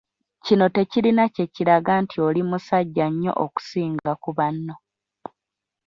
Kino tekirina kye kiraga nti oli musajja nnyo okusinga ku banno.